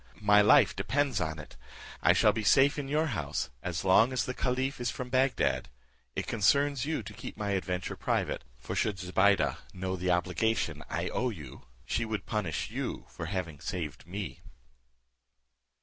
My life depends on it. I shall be safe in your house as long as the caliph is from Bagdad. It concerns you to keep my adventure private; for should Zobeide know the obligation I owe you, she would punish you for having saved me.